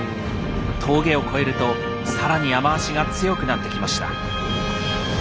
峠を越えると更に雨足が強くなってきました。